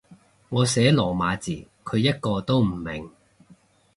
我寫羅馬字，佢一個都唔明